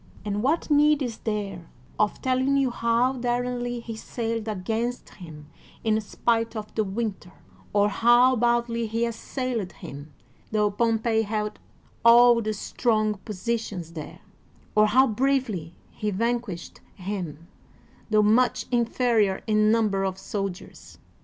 And what need is there of telling how daringly he sailed against him in spite of the winter, or how boldly he assailed him, tho Pompey held all the strong positions there, or how bravely he vanquished him, tho much inferior in number of soldiers?